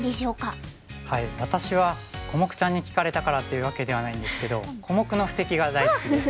私はコモクちゃんに聞かれたからというわけではないんですけど小目の布石が大好きです。